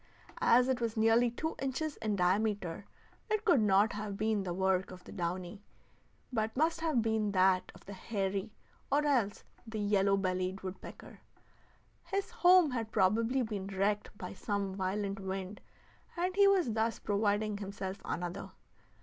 As it was nearly two inches in diameter, it could not have been the work of the downy, but must have been that of the hairy, or else the yellow bellied woodpecker. His home had probably been wrecked by some violent wind, and he was thus providing himself another.